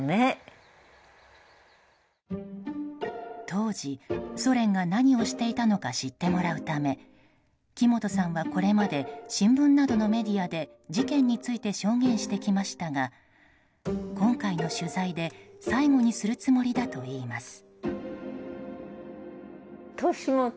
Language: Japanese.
当時、ソ連が何をしていたのか知ってもらうため木本さんはこれまで新聞などのメディアで事件について証言してきましたが今回の取材で最後にするつもりだといいます。